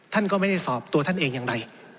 ท่านก็ไม่ได้สอบตัวท่านเองอย่างใด